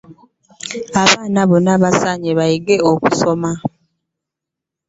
Abaana bonna basaanye bayige okusoma